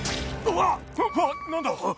はっ何だ？